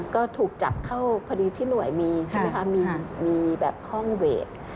ก็ถูกจับเข้าพอดีที่หน่วยมีมีห้องเวท